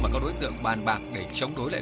mà các đối tượng bàn bạc để chống đối lại